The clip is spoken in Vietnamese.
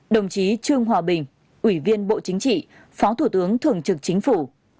một mươi đồng chí trương hòa bình ủy viên bộ chính trị phó thủ tướng thường trực chính phủ